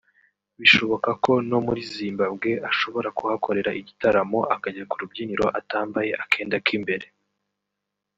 bishoboka ko no muri Zimbabwe ashobora kuhakorera igitaramo akajya ku rubyiniro atambaye akenda k’imbere